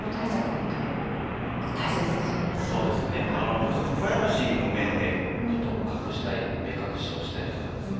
もう一つプライバシーの面で隠したい目隠しをしたりとかですね